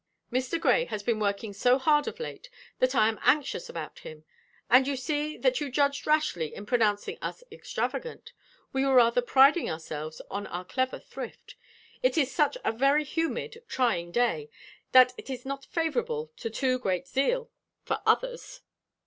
Mr. Grey has been working so hard of late that I am anxious about him. And you see that you judged rashly in pronouncing us extravagant. We were rather priding ourselves on our clever thrift. It is such a very humid, trying day, that it is not favorable to too great zeal for others."